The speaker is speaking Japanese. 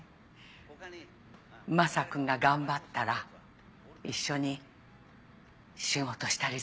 まさ君が頑張ったら一緒に仕事したりするのかね？